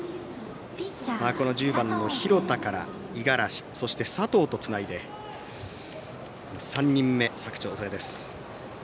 １０番の廣田から五十嵐そして、佐藤とつないで３人目、佐久長聖です。